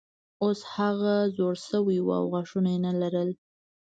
اوس هغه زوړ شوی و او غاښونه یې نه لرل.